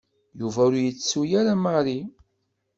Yuba ur yettu ara Mary.